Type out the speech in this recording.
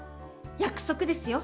約束ですよ！